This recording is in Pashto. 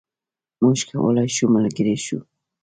موږ کولای شو ملګري شو.